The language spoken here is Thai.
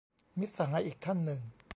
มิตรสหายอีกท่านหนึ่ง